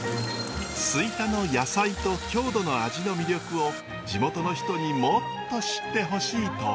吹田の野菜と郷土の味の魅力を地元の人にもっと知ってほしいと。